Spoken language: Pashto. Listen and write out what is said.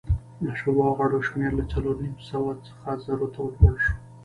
د شورا غړو شمېر له څلور نیم سوه څخه زرو ته لوړ شو